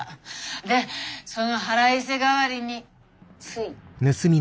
でその腹いせ代わりについ。